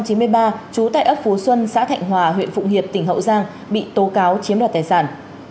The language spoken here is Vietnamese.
trú tại ấp phú xuân xã thạnh hòa huyện phụng hiệp tỉnh hậu giang bị tố cáo chiếm đoạt tài sản